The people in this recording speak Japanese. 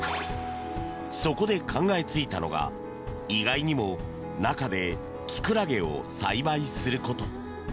そこで考えついたのが、意外にも中でキクラゲを栽培すること。